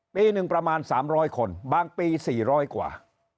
ปีหนึ่งประมาณ๓๐๐คนบางปี๔๐๐กว่า